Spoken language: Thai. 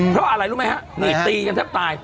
เพราะอะไรรู้ไหมฮะนี่ตีกันแทบตาย